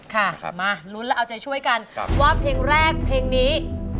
ค่ะมาลุ้นและเอาใจช่วยกันว่าเพลงแรกเพลงนี้